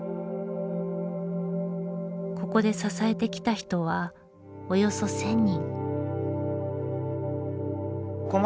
ここで支えてきた人はおよそ１，０００人。